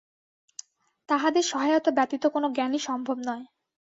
তাঁহাদের সহায়তা ব্যতীত কোন জ্ঞানই সম্ভব নয়।